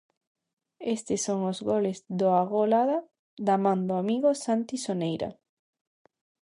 Estes son os goles do Agolada, da man do amigo Santi Soneira: